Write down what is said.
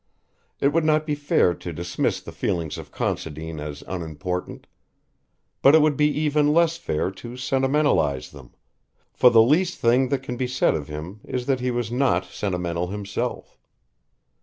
It would not be fair to dismiss the feelings of Considine as unimportant; but it would be even less fair to sentimentalize them, for the least thing that can be said of him is that he was not sentimental himself.